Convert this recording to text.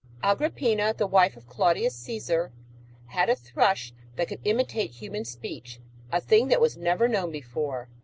Agrippina, the wife of Claudius Coesar, had a thrush that could imitate human speech, a thing that was never known before.